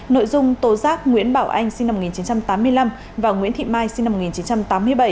nội dung tố giác nguyễn bảo anh sinh năm một nghìn chín trăm tám mươi năm và nguyễn thị mai sinh năm một nghìn chín trăm tám mươi bảy